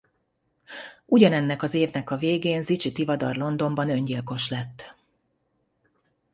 Ugyanennek az évnek a végén Zichy Tivadar Londonban öngyilkos lett.